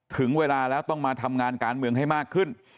ถึงเวลาแล้วต้องมาทำงานการเมืองให้มากขึ้น